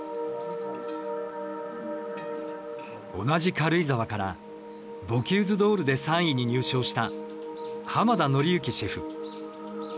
同じ軽井沢からボキューズ・ドールで３位に入賞した浜田統之シェフ。